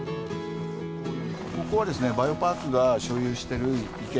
ここはですねバイオパークが所有してる池なんですけど。